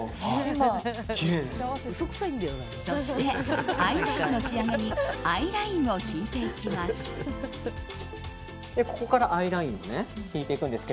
そして、アイメイクの仕上げにアイラインを引いていきます。